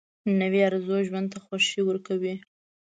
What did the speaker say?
نوې ارزو ژوند ته خوښي ورکوي